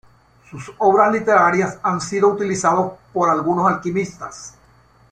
Sus obras literarias han sido utilizados por algunos alquimistas.